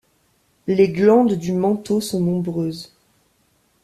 Les glandes du manteau sont nombreuses.